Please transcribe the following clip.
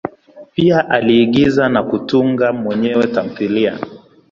Pia aliigiza na kutunga mwenyewe tamthilia.